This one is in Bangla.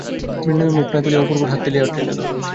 মৃন্ময়ী মুখ না তুলিয়া অপূর্বর হাত ঠেলিয়া দিল।